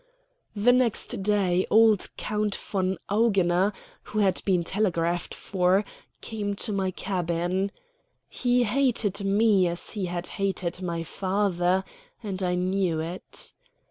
The next day old Count von Augener, who had been telegraphed for, came to my cabin. He hated me as he had hated my father, and I knew it.